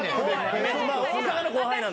大阪の後輩なんで。